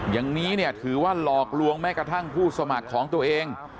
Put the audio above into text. อย่างนี้เนี่ยถือว่าหลอกลวงแม้กระทั่งผู้สมัครของตัวเอง